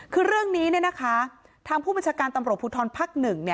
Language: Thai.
คือเรื่องนี้นะคะทางผู้บัญชาการตำรวจพุทธรพักหนึ่ง